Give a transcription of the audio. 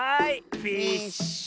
フィッシュ！